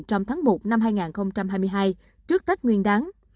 trong tháng một năm hai nghìn hai mươi hai trước tết nguyên đáng